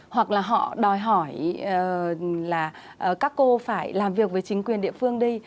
hoặc là họ đòi hỏi là các cô phải làm việc với chính quyền địa phương đi